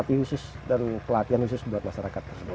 pelatihan khusus dan pelatihan khusus buat masyarakat